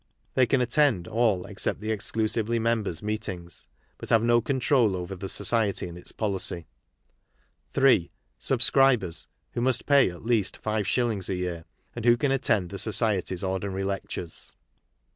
They can attend all except the exclusively members' meet ings, but have no control over the Society aiid its pohcy.T' ^/"~^'■''' III, Subscribers, who must pay at least '5s./ a. year, and ^ho, can attend the Society's Ordinary ■Lectures.